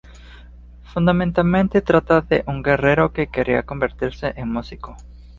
Fundamentalmente trata de un guerrero que quería convertirse en músico.